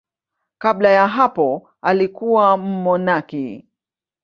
Kabla ya hapo alikuwa mmonaki.